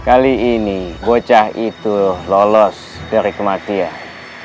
kali ini bocah itu lolos dari kematian